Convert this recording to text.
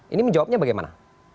ini menjawabnya bagaimana